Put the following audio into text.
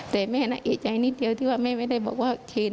แต่แม่น่าเอกใจนิดเดียวที่ว่าแม่ไม่ได้บอกว่าเคน